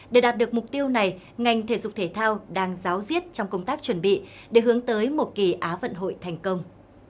để đạt được mục tiêu này ngành thể dục thể thao đang giáo diết trong công tác chuẩn bị để hướng tới một kỳ á vận hội thành công